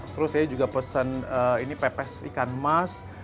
terus saya juga pesen ini pepes ikan emas